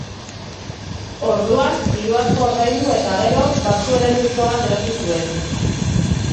Orduan, diru asko ordaindu eta gero, baxu-elektriko bat erosi zuen.